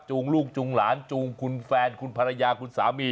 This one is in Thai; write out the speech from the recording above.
ลูกจูงหลานจูงคุณแฟนคุณภรรยาคุณสามี